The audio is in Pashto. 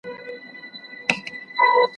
رسول اکرم مغيره بن شعبة ته څه وفرمايل؟